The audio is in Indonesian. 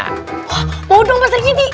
wah mau dong pastor gity